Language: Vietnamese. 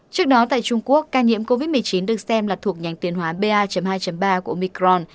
trước đó tại trung quốc ca nhiễm covid một mươi chín được xem là thuộc nhánh tiền hóa ba hai ba của micron